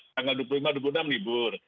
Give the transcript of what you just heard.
tanggal dua puluh lima dua puluh enam libur